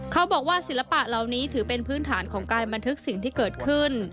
เขาบอกว่าศิลปะเหล่านี้ถือเป็นพื้นฐานของการบันทึกสิ่งที่เกิดขึ้น